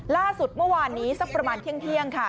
ล่าสุดเมื่อวานนี้สักประมาณเที่ยงค่ะ